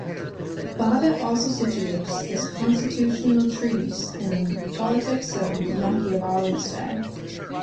Bobbitt also situates this constitutional treatise in the politics of Machiavelli's day.